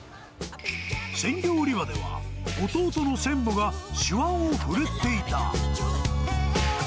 鮮魚売り場では、弟の専務が手腕を振るっていた。